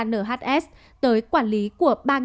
nhs tới quản lý của ba